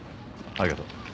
ありがとう。